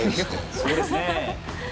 そうですね。